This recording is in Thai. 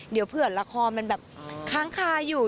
เดี๋ยวเผื่อละครมันแบบค้างคาอยู่